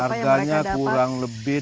harganya kurang lebih dua puluh ton